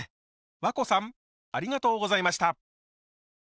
わこさんありがとうございました。